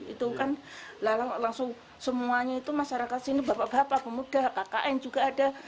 itu kan langsung semuanya itu masyarakat sini bapak bapak pemuda kkn juga ada